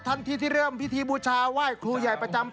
ทันทีที่เริ่มพิธีบูชาไหว้ครูใหญ่ประจำปี